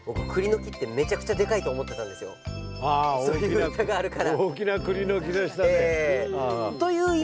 更にそういう歌があるから。